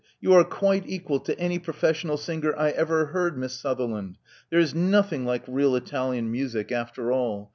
You are quite equal to any professional singer I ever heard. Miss Suther land. There is nothing like real Italian music after 28o Love Among the Artists all.